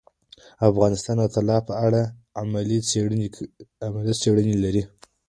افغانستان د طلا په اړه علمي څېړنې لري.